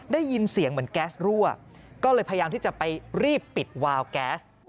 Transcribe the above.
ได้ยินเสียงเหมือนแก๊สรั่วก็เลยพยายามที่จะไปรีบปิดวาวแก๊ส